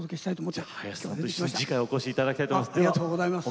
林さんは本当に次回お越しいただきたいと思います。